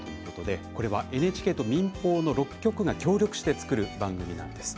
これはＮＨＫと民放の６局が協力して作る番組なんです。